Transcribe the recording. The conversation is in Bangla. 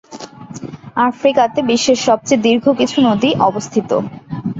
আফ্রিকাতে বিশ্বের সবচেয়ে দীর্ঘ কিছু নদী অবস্থিত।